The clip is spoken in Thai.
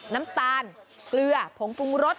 น้ำตาลเกลือผงปรุงรส